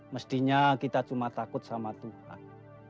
mestinya kita cuma takut sama tuhan